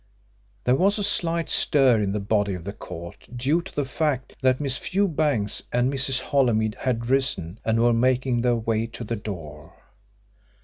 There was a slight stir in the body of the court due to the fact that Miss Fewbanks and Mrs. Holymead had risen and were making their way to the door.